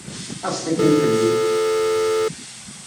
Aẓet akkin fell-i!